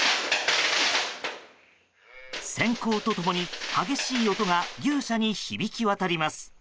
閃光と共に激しい音が牛舎に響き渡ります。